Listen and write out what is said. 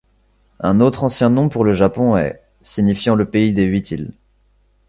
Un autre ancien nom pour le Japon est signifiant le pays des huit îles.